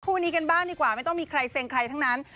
คู่นี้กันบ้างดีกว่าไม่ต้องมีใครเซ็งใครทั้งนั้น